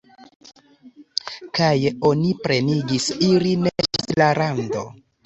Kaj oni plenigis ilin ĝis la rando.